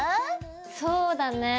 そうだねぇ。